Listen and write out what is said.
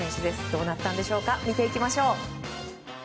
どうなったんでしょうか見ていきましょう。